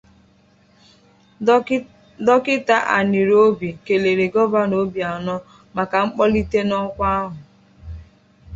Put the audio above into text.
Dọkịta Anierobi kèlèrè Gọvanọ Obianọ maka mkpọlite n'ọkwa ahụ